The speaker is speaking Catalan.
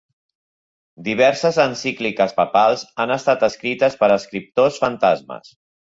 Diverses encícliques papals han estat escrites per escriptors fantasmes.